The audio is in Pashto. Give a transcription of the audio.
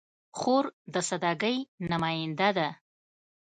خور د سادګۍ نماینده ده.